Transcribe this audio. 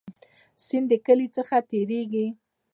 سیند د کلی څخه تیریږي